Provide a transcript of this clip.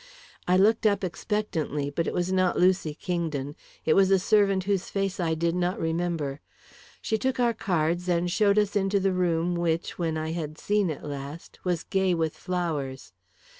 I looked up expectantly but it was not Lucy Kingdon; it was a servant whose face I did not remember. She took our cards and showed us into the room which, when I had seen it last, was gay with flowers.